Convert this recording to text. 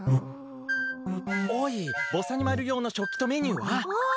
おい、ぼさにまる用の食器とメニューは？